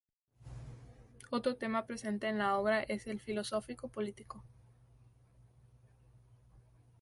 Otro tema presente en la obra es el filosófico-político.